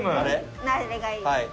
はい。